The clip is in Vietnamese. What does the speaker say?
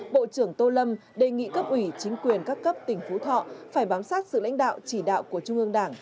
bộ trưởng tô lâm đề nghị cấp ủy chính quyền các cấp tỉnh phú thọ phải bám sát sự lãnh đạo chỉ đạo của trung ương đảng